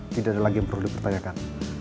tidak ada lagi yang perlu dipertanyakan